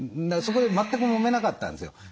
だからそこで全くもめなかったんですよ。